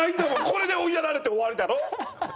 これで追いやられて終わりだろ？